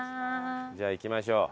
じゃあ行きましょう。